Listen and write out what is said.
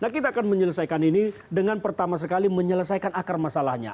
kita akan menyelesaikan ini dengan pertama sekali menyelesaikan akar masalahnya